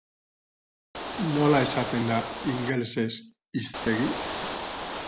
Nola esaten da ingelesez "hiztegi"?